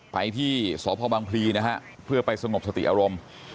ไปที่สพบังพลีนะฮะเพื่อไปสงบสติอารมณ์